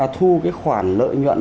thu cái khoản lợi nhuận